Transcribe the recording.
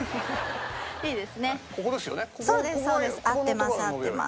合ってます合ってます。